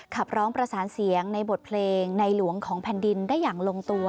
ขับร้องประสานเสียงในบทเพลงในหลวงของแผ่นดินได้อย่างลงตัว